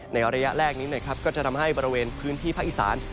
ในระยะแรกนี้นะครับก็จะทำให้บริเวณพื้นที่ภาคอีสาน